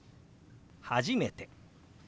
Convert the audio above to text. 「初めて」。